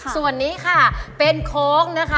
ส่วนนี้ค่ะเป็นโคค